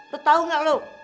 lo tau gak lo